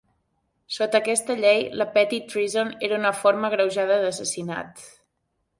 Sota aquesta llei, la "petty treason" era una forma agreujada d'assassinat.